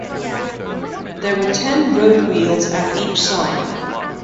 There were ten road wheels at each side.